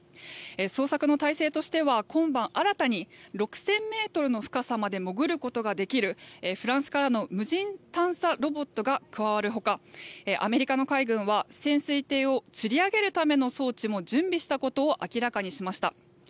捜索の体制としては今晩、新たに６０００ｍの深さまで潜ることができるフランスからの無人探査ロボットが加わるほかアメリカの海軍は潜水艇をつり上げるための装置も準備したことを明らかにしました。